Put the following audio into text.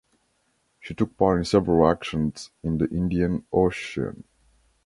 She took part in several actions in the Indian Ocean.